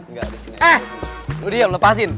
eh lo diam lepasin